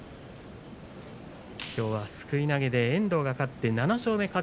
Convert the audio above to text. きょうは、すくい投げで遠藤が勝って７勝目。